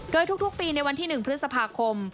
โดยทุกปีในวันที่๑พฤษภาคม